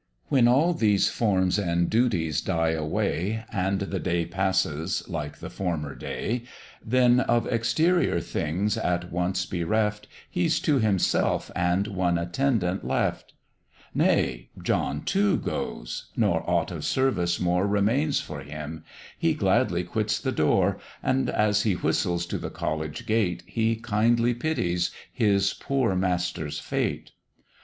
When all these forms and duties die away, And the day passes like the former day, Then of exterior things at once bereft, He's to himself and one attendant left; Nay, John too goes; nor aught of service more Remains for him; he gladly quits the door, And, as he whistles to the college gate, He kindly pities his poor master's fate.